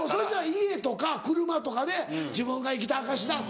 家とか車とかで自分が生きた証しだって。